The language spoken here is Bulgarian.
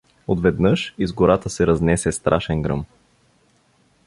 Отведнъж из гората се разнесе страшен гръм.